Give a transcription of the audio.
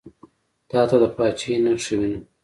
تاته د پاچهي نخښې وینم.